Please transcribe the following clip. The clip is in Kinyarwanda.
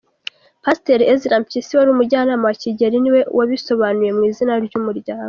Pasiteri Ezra Mpyisi wari umujyanama wa Kigeli ni we wabisobanuye mu izina ry’umuryango.